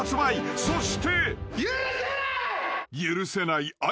［そして］